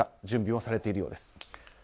準備もされているようです。